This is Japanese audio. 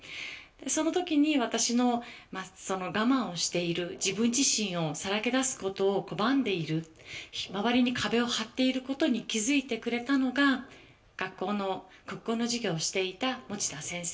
その時に私のその我慢をしている自分自身をさらけ出すことを拒んでいる周りに壁を張っていることに気付いてくれたのが学校の国語の授業をしていた持田先生。